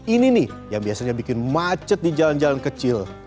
ini nih yang biasanya bikin macet di jalan jalan kecil